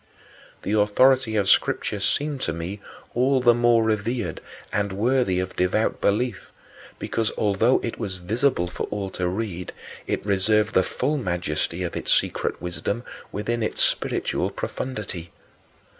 The authority of Scripture seemed to me all the more revered and worthy of devout belief because, although it was visible for all to read, it reserved the full majesty of its secret wisdom within its spiritual profundity.